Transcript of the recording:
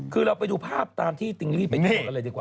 คือเราไปดูภาพตามที่ติ๊งลี่ไปดูอะไรดีกว่า